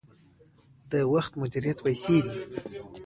د وخت مدیریت پیسې دي